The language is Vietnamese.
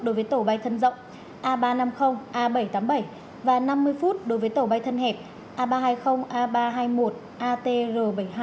đối với tổ bay thân rộng a ba trăm năm mươi a bảy trăm tám mươi bảy và năm mươi phút đối với tàu bay thân hẹp a ba trăm hai mươi a ba trăm hai mươi một atr bảy mươi hai